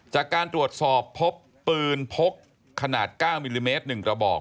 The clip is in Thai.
จากการตรวจสอบพบปืนพกขนาด๙มิลลิเมตร๑กระบอก